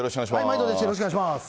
毎度です、よろしくお願いします。